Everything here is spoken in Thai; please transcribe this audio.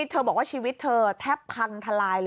เธอบอกว่าชีวิตเธอแทบพังทลายเลย